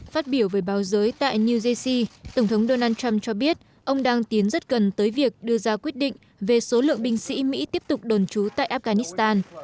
phát biểu với báo giới tại new jersea tổng thống donald trump cho biết ông đang tiến rất gần tới việc đưa ra quyết định về số lượng binh sĩ mỹ tiếp tục đồn trú tại afghanistan